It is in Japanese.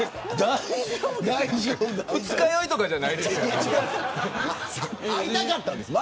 二日酔いとかじゃないですよね。